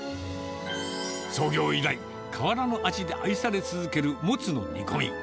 創業以来、変わらぬ味で愛され続けるモツの煮込み。